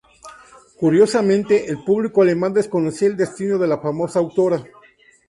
Curiosamente, el público alemán desconocía el destino de la famosa autora.